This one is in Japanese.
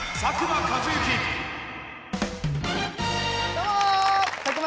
どうも！